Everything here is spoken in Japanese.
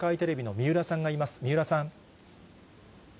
三浦さん。